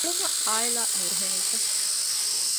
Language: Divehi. ގުޅުމަށް އާއިލާ ނުރުހެނީތަ؟